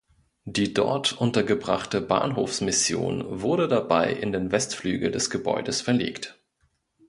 Die dort untergebrachte Bahnhofsmission wurde dabei in den Westflügel des Gebäudes verlegt.